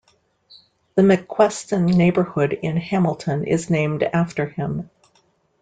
The McQuesten neighbourhood in Hamilton is named after him.